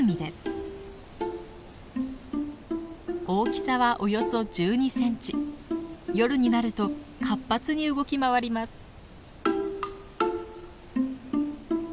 大きさはおよそ１２センチ夜になると活発に動き回ります。